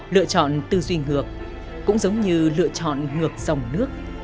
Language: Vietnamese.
lựa chọn tư duy ngược cũng giống như lựa chọn ngược dòng nước